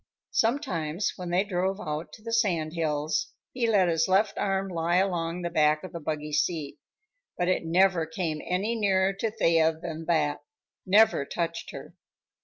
Sometimes, when they drove out to the sand hills, he let his left arm lie along the back of the buggy seat, but it never came any nearer to Thea than that, never touched her.